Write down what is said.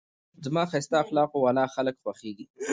زما ښایسته اخلاقو واله خلک خوښېږي.